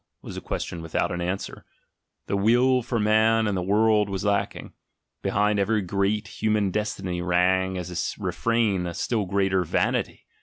was a question without an answer; the will for man and the world was lacking; behind every great human destiny rang as a re frain a still greater "Vanity!"